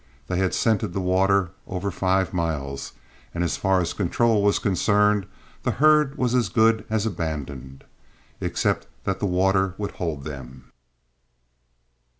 They had scented the water over five miles, and as far as control was concerned the herd was as good as abandoned, except that the water would hold them.